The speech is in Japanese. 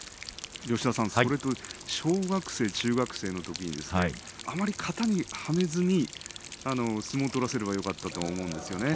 それと小学生、中学生のときにあまり型に入れずに相撲を取らせればよかったと思うんですよね。